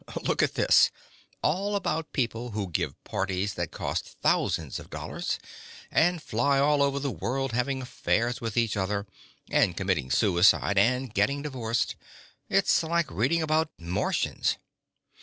"Look at this: all about people who give parties that cost thousands of dollars, and fly all over the world having affairs with each other and committing suicide and getting divorced. It's like reading about Martians."